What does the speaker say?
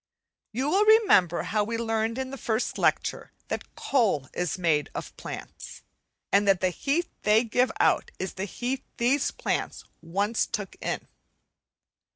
You will remember how we learnt in the first lecture that coal is made of plants, and that the heat they give out is the heat these plants once took in.